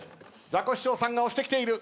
ザコシショウさんが押してきている。